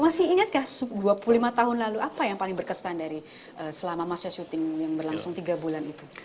masih ingatkah dua puluh lima tahun lalu apa yang paling berkesan dari selama masa syuting yang berlangsung tiga bulan itu